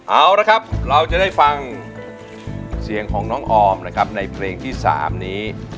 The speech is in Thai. เอาละครับเราจะได้ฟังเสียงของน้องออมนะครับในเพลงที่๓นี้